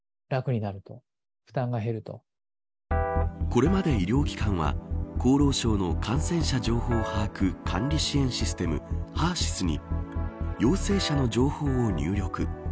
これまで医療機関は厚労省の感染者情報把握・管理支援システムＨＥＲ‐ＳＹＳに陽性者の情報を入力。